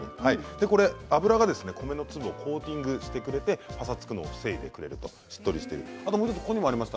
油が米の粒をコーティングしてくれてぱさつくのを防いでくれるしっとりするということです。